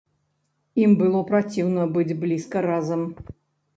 Ім было праціўна быць блізка разам.